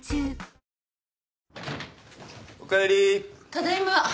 ただいま。